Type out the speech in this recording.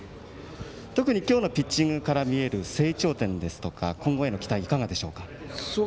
特に今日のピッチングから見える成長点や今後への期待はいかがでしょうか。